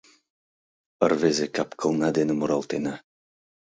Рвезе кап-кылна дене муралтена